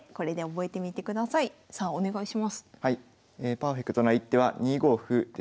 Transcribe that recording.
パーフェクトな一手は２五歩ですね。